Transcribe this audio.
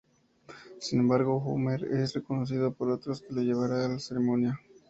Sin embargo, Homer es reconocido por otros que lo llevara a la ceremonia.